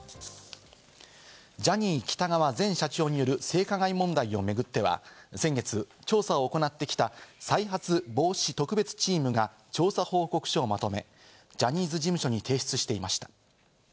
ジャニー喜多川前社長による性加害問題を巡っては先月、調査を行ってきた、再発防止特別チームが調査報告書をまとめ、ジャニーズ事務所に提出していました。